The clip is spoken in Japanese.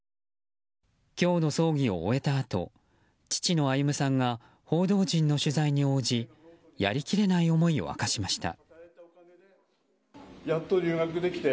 今日の葬儀を終えたあと父の歩さんが報道陣の取材に応じやりきれない思いを明かしました。